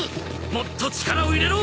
もっと力を入れろ！